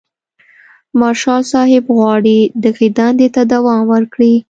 مارشال صاحب غواړي دغې دندې ته دوام ورکړي.